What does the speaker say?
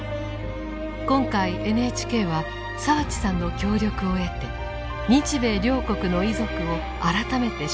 今回ＮＨＫは澤地さんの協力を得て日米両国の遺族を改めて取材。